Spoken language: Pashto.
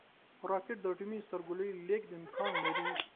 راکټ د اټومي سرګلولې لیږد امکان لري